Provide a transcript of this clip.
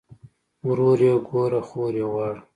ورور ئې ګوره خور ئې غواړه